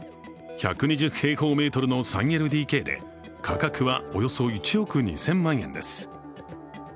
１２０平方メートルの３ＬＤＫで価格はおよそ１億２０００万円です。